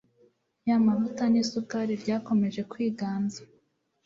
y’amavuta n’isukari ryakomeje kwiganza,